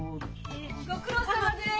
ご苦労さまです。